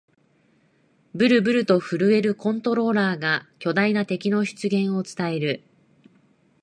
ブルブルと震えるコントローラーが、強大な敵の出現を伝える